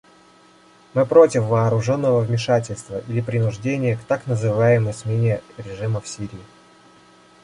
Мы против вооруженного вмешательства или принуждения к так называемой смене режима в Сирии.